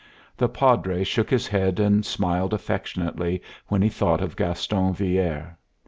The Padre shook his head and smiled affectionately when he thought of Gaston Villere.